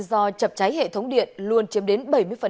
do chập cháy hệ thống điện luôn chiếm đến bảy mươi